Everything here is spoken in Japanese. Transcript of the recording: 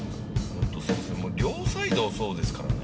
もう両サイドそうですからね。